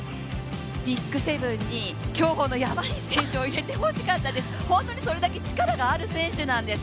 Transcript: ＢＩＧ７に競歩の山西選手を入れてほしかったです、本当にそれだけ力のある選手なんです。